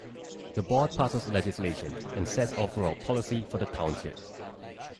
The Board passes legislation and sets overall policy for the Township.